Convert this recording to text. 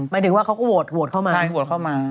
หมายถึงว่าเขาก็โหวตโหวตเข้ามาใช่โหวตเข้ามา